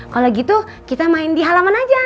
kalau gitu kita main di halaman aja